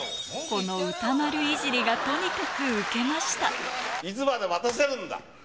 この歌丸いじりがとにかくウいつまで待たせるんだ。